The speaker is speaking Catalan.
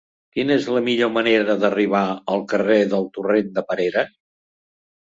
Quina és la millor manera d'arribar al carrer del Torrent de Perera?